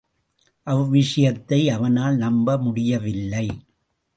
அவ்விஷயத்தை அவனால் நம்ப முடியவில்லை.